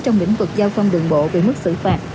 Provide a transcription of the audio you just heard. trong lĩnh vực giao phong đường bộ về mức xử phạt